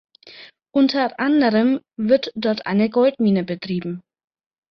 Unter anderem wird dort eine Goldmine betrieben.